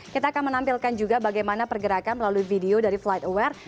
kita akan menampilkan juga bagaimana pergerakan melalui video dari flight aware